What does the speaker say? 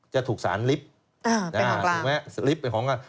จะถูกสารลิฟท์เป็นของกลาง